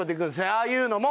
ああいうのも。